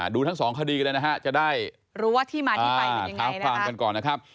ดูทั้ง๒คดีกันเลยนะครับจะได้รู้ว่าที่มาที่ไปมันยังไงนะครับ